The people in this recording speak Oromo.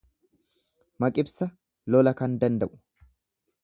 Maqibsa lola kan danda'u.